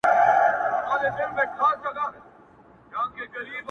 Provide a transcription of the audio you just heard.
او ستا د ښكلي شاعرۍ په خاطر;